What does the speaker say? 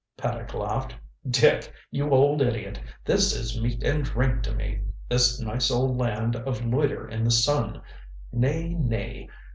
Paddock laughed. "Dick, you old idiot, this is meat and drink to me. This nice old land of loiter in the sun. Nay, nay.